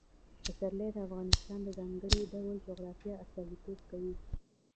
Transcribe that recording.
پسرلی د افغانستان د ځانګړي ډول جغرافیه استازیتوب کوي.